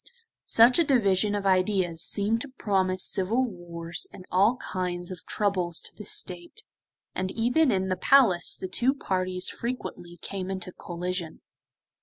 Such a division of ideas seemed to promise civil wars and all kinds of troubles to the State, and even in the Palace the two parties frequently came into collision.